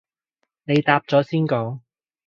你答咗先講